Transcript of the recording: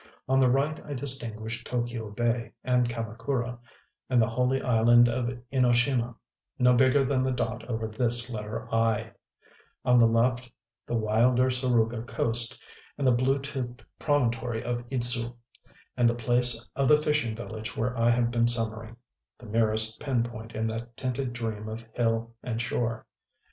On the right I distinguish T┼Źky┼Ź bay, and Kamakura, and the holy island of Enoshima (no bigger than the dot over this letter ŌĆ£iŌĆØ); on the left the wilder Suruga coast, and the blue toothed promontory of Idzu, and the place of the fishing village where I have been summering, the merest pin point in that tinted dream of hill and shore.